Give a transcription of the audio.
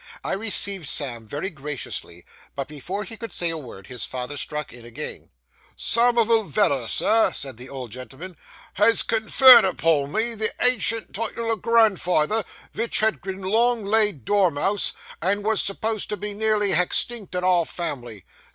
I received Sam very graciously, but before he could say a word his father struck in again. 'Samivel Veller, sir,' said the old gentleman, 'has conferred upon me the ancient title o' grandfather vich had long laid dormouse, and wos s'posed to be nearly hex tinct in our family.